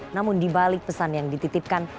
namun dibalik pesan yang dititipkan